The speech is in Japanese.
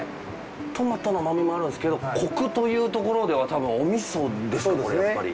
トマトの甘みもあるんですけどコクというところではたぶんお味噌ですかやっぱり。